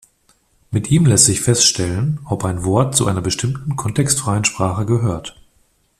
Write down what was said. Mit ihm lässt sich feststellen, ob ein Wort zu einer bestimmten kontextfreien Sprache gehört.